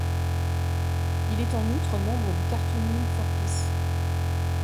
Il est en outre membre de Cartooning for Peace.